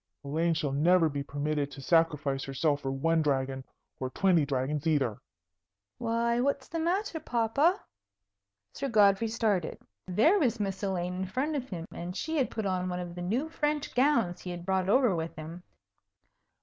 Elaine shall never be permitted to sacrifice herself for one dragon, or twenty dragons, either." "Why, what's the matter, papa?" Sir Godfrey started. There was Miss Elaine in front of him; and she had put on one of the new French gowns he had brought over with him.